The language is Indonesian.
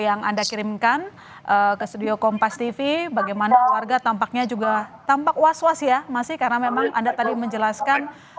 yang anda kirimkan ke studio kompas tv bagaimana warga tampaknya juga tampak was was ya masih karena memang anda tadi menjelaskan